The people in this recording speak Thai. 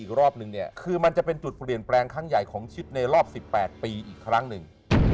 อีกรอบนึงเนี่ยคือมันจะเป็นจุดเปลี่ยนแปลงครั้งใหญ่ของชิดในรอบ๑๘ปีอีกครั้งหนึ่ง